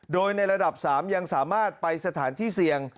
โดยในระดับ๓ยังสามารถไปสถานที่เสี่ยง